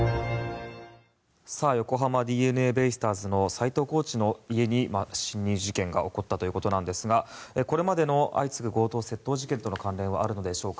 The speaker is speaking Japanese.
横浜ＤｅＮＡベイスターズの斎藤コーチの家に侵入事件が起こったということなんですがこれまでの相次ぐ強盗・窃盗事件との関連はあるのでしょうか。